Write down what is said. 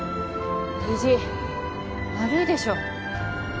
意地悪いでしょ